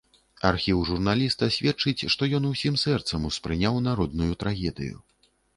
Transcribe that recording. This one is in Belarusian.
Архіў журналіста сведчыць, што ён усім сэрцам успрыняў народную трагедыю.